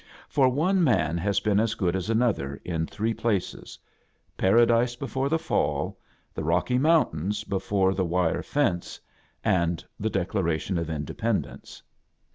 For one man has been as good as another ^ in three places — Paradise before the Fall; the Rocky Mountains before the wirer fence; and the Declaration of Indepen v dence.